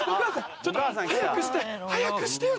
ちょっと早くして。